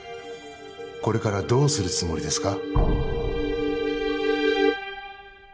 これからどうするつもりですか？